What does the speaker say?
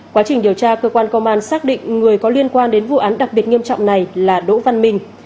quá trình điều tra cơ quan công an xác định người có liên quan đến vụ án đặc biệt nghiêm trọng này là đỗ văn minh